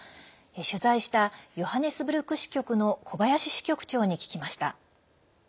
取材したヨハネスブルク支局の小林支局長に聞きました。